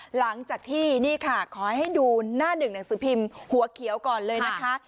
หลังจากที่นี่ค่ะขอให้ดูหน้าหนึ่งหนังสือพิมพ์หัวเขียวก่อนเลยนะคะ